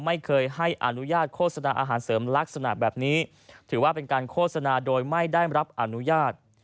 ไม่เคยให้อนุญาตโฆษณาอาหารเสริมลักษณะแบบนี้ถือว่าเป็นการโฆษณาโดยไม่ได้รับอนุญาต